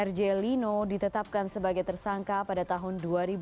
rj lino ditetapkan sebagai tersangka pada tahun dua ribu dua